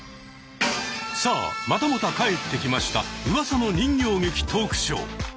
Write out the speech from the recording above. さあまたまた帰ってきましたうわさの人形劇トークショー。